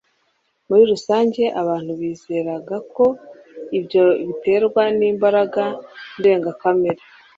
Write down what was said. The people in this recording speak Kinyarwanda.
muri rusange, abantu bizeraga ko ibyo biterwa n’imbaraga ndengakamere,